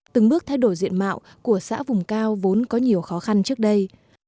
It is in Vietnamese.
từng bước thay đổi diện mạo của xã vùng cao vốn có nhiều khó khăn trước đây